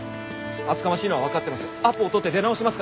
厚かましいのはわかっています。